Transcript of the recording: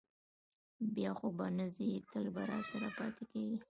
بیا خو به نه ځې، تل به راسره پاتې کېږې؟